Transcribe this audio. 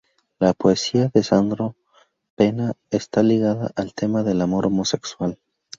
La poesía de Sandro Penna está ligada al tema del amor homosexual.